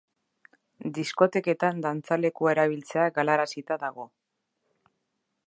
Diskoteketan dantzalekua erabiltzea galarazita dago.